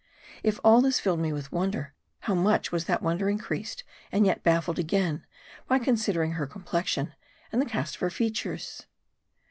If all this filled me with wonder, how much was that wonder increased, and yet baffled again, by considering her complexion, and the cast of her features.